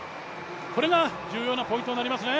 これが重要なポイントになりますね。